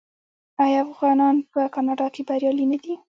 آیا افغانان په کاناډا کې بریالي نه دي؟